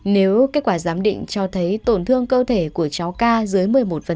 nếu kết quả giám định cho thấy tổn thương cơ thể của cháu ca dưới một mươi một